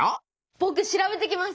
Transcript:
ぼく調べてきます。